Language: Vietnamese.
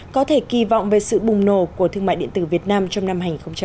có thể kỳ vọng về sự bùng nổ của thương mại điện tử việt nam trong năm hai nghìn hai mươi